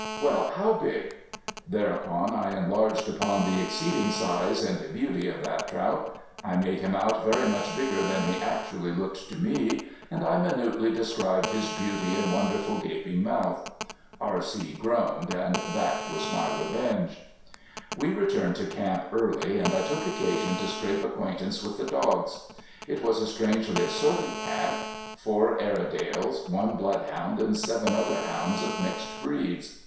"Humph! Well, how big?" Thereupon I enlarged upon the exceeding size and beauty of that trout. I made him out very much bigger than he actually looked to me and I minutely described his beauty and wonderful gaping mouth. R.C. groaned and that was my revenge. We returned to camp early, and I took occasion to scrape acquaintance with the dogs. It was a strangely assorted pack four Airedales, one bloodhound and seven other hounds of mixed breeds.